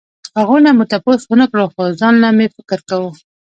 هغو نه مو تپوس ونکړو خو ځانله مې فکر کوو